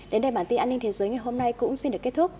đến đây bản tin an ninh thế giới ngày hôm nay cũng xin được kết thúc